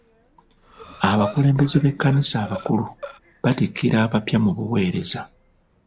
Abakulembeze b'ekkanisa abakulu battikira abapya mu buwereza.